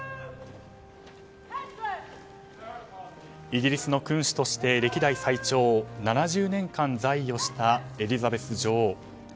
イギリスの君主として歴代最長７０年間在位をしたエリザベス女王。